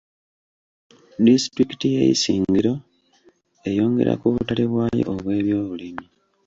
Disitulikiti y'e Isingiro eyongera ku butale bwayo obw'ebyobulimi.